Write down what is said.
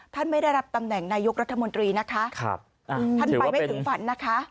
ไม่ได้รับตำแหน่งนายกรัฐมนตรีนะคะท่านไปไม่ถึงฝันนะคะ